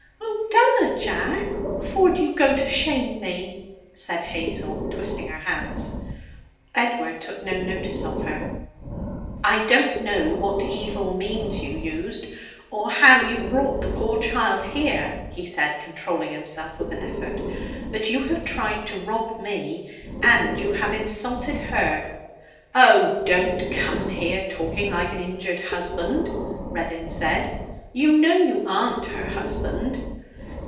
'Oh, dunna, Jack! What for do you go to shame me?' said Hazel, twisting her hands. Edward took no notice of her. 'I don't know what evil means you used, or how you brought the poor child here,' he said, controlling himself with an effort. 'But you have tried to rob me, and you have insulted her ' 'Oh, don't come here talking like an injured husband,' Reddin said; 'you know you aren't her husband.'